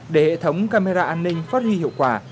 để hệ thống camera an ninh phát huy hiệu quả